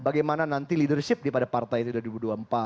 bagaimana nanti leadership daripada partai itu dua ribu dua puluh empat